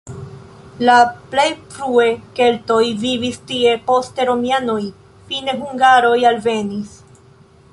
La plej frue keltoj vivis tie, poste romianoj, fine hungaroj alvenis.